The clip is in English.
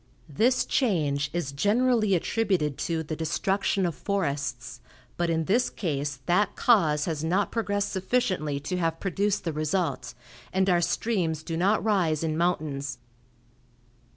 This change is generally attributed to the destruction of forests, but in this case that cause has not progressed sufficiently to have produced the result, and our streams do not rise in mountains.